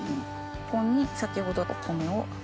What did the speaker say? ここに先ほどの米を。